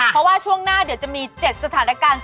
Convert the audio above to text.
เพราะว่าช่วงหน้าเดี๋ยวจะมี๗สถานการณ์